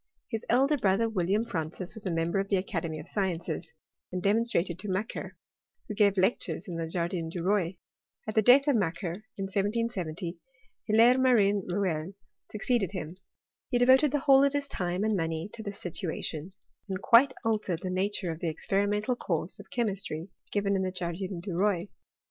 His elder brother, William Francis, was a member of the Academy of Sciences, and demonstrator to Macquer, who gave lectures in the Jardin du Roi. At the death of Macquer, in 1770, Hilaire Marin Rouelle succeeded him. He devoted the whole of his time and money to this situation, and quite altered the nature of the experimental course of che mistry given in the Jardin du Roi.